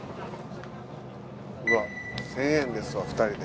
うわっ１，０００円ですわ２人で。